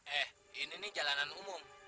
eh ini nih jalanan umum